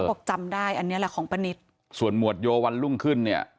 บอกจำได้อันนี้แหละของป้านิตส่วนหมวดโยวันรุ่งขึ้นเนี่ย